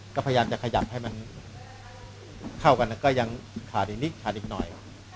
ก็พยายามจะขยับให้มันเข้ากันแล้วก็ยังขาดอีกนิดขาดอีกหน่อย